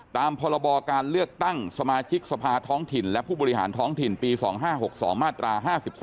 ตามพรบการเลือกตั้งสมาชิกสภาท้องถิ่นและผู้บริหารท้องถิ่นปี๒๕๖๒มาตรา๕๓